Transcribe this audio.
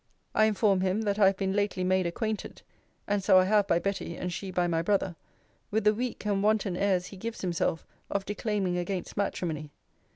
'I inform him, that I have been lately made acquainted' [and so I have by Betty, and she by my brother] 'with the weak and wanton airs he gives himself of declaiming against matrimony.